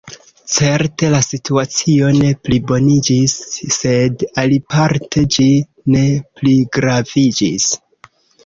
Certe la situacio ne pliboniĝis; sed aliparte ĝi ne pligraviĝis.